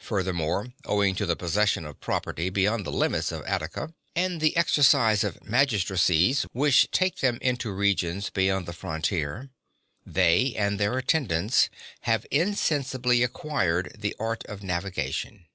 Furthermore, owing to the possession of property beyond the limits of Attica, (50) and the exercise of magistracies which take them into regions beyond the frontier, they and their attendants have insensibly acquired the art of navigation.